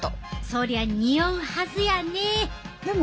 そりゃにおうはずやね！